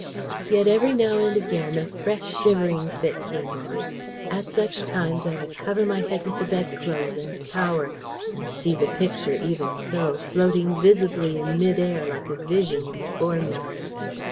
Yet every now and again a fresh shivering fit came on. At such times I would cover my head with the bedclothes and cower, and see the Picture even so floating visibly in mid air like a vision before me.